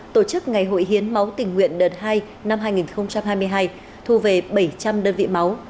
tổ chức ngày hội hiến máu tình nguyện đợt hai năm hai nghìn hai mươi hai thu về bảy trăm linh đơn vị máu